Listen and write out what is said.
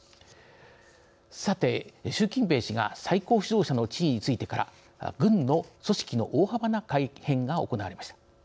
さて習近平氏が最高指導者の地位についてから軍の組織の大幅な改変が行われました。